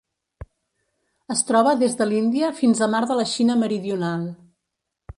Es troba des de l'Índia fins a Mar de la Xina Meridional.